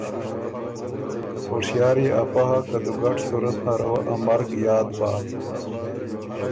هوشیار يې افۀ هۀ که دُوګډ صورت نره وه ا مرګ یاد بَۀ۔